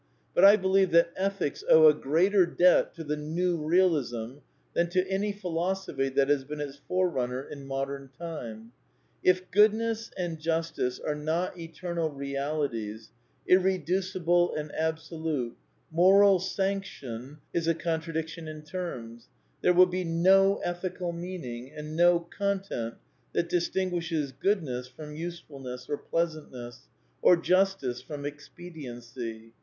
But I be lieve that Ethics owe a greater debt to the New Bealism than to any philosophy that has been its forerunner in modem time. If " Goodness " and *' Justice " are not eternal realities, irreducible and absolute, ^^ moral sanc tion " is a contradiction in terms ; there will be no ethical meaning and no content that distinguishes ^^ goodness" from " usefulness " or " pleasantness," or " justice " from " expediency."